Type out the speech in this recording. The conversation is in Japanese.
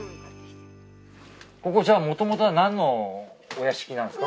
ここじゃあもともとは何のお屋敷なんですか？